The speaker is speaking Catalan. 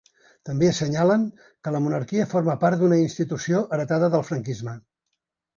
També assenyalen que la monarquia forma part d’una institució heretada del franquisme.